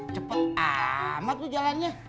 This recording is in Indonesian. cepet amat tuh jalannya